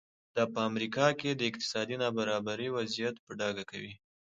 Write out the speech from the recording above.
دا په امریکا کې د اقتصادي نابرابرۍ وضعیت په ډاګه کوي.